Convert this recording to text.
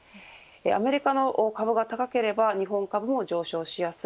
アメリカの株が高ければ日本株も上昇しやすい。